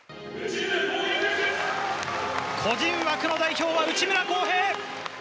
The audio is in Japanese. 個人枠の代表は、内村航平。